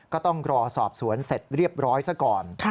ก็ต้องรอสอบสวนเสร็จเรียบร้อยซะก่อน